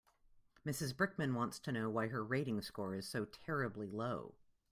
Mrs Brickman wants to know why her rating score is so terribly low.